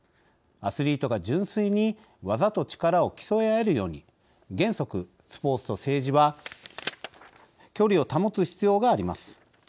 アスリートが純粋に技と力を競い合えるように原則スポーツと政治は距離を保つ必要があります。